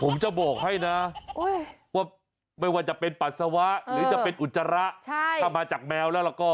ผมจะบอกให้นะว่าไม่ว่าจะเป็นปัสสาวะหรือจะเป็นอุจจาระถ้ามาจากแมวแล้วก็